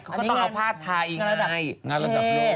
ก็ต้องเอาผ้าไทยไง